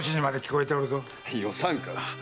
よさんか。